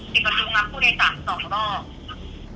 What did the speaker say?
มีคนรู้รับผู้ใดศัพท์๒รอบ